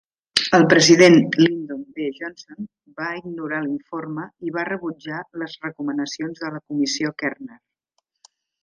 El president Lyndon B. Johnson va ignorar l'informe i va rebutjar les recomanacions de la Comissió Kerner.